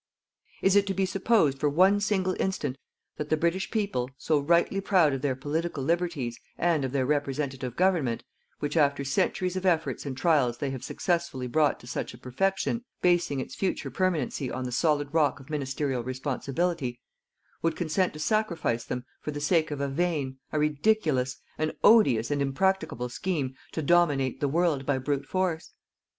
Is it to be supposed for one single instant that the British people, so rightly proud of their political liberties, and of their representative government, which after centuries of efforts and trials they have successfully brought to such perfection, basing its future permanency on the solid rock of ministerial responsibility, would consent to sacrifice them for the sake of a vain, a ridiculous, an odious and impracticable scheme to dominate the world by brute force?